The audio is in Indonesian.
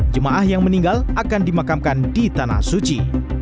jemaah yang meninggal akan dimakamkan di tanah suci